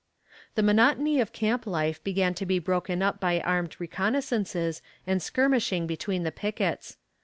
The monotony of camp life began to be broken up by armed reconnoissances and skirmishing between the pickets.